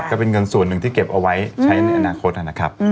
ก็เป็นเงินส่วนหนึ่งที่เก็บเอาไว้ใช้ในอนาคตนะครับ